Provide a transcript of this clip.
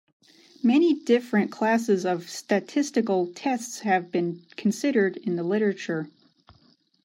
Many different classes of statistical tests have been considered in the literature.